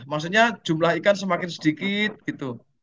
maksudnya jumlah ikan semakin sedikit gitu